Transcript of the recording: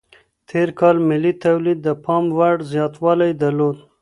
تير کال ملي توليد د پام وړ زياتوالی درلود.